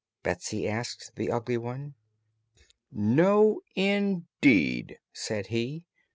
Betsy asked the Ugly One. "No, indeed," said he.